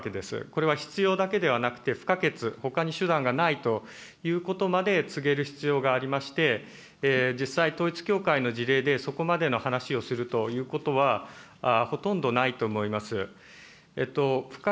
これは必要だけではなくて、不可欠、ほかに手段がないということまで告げる必要がありまして、実際、統一教会の事例で、そこまでの話をするということはほとんどないと思います。